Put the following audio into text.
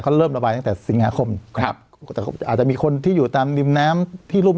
เขาเริ่มระบายตั้งแต่สิงหาคมครับแต่อาจจะมีคนที่อยู่ตามริมน้ำที่รุ่ม